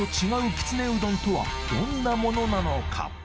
きつねうどんとはどんなものなのか？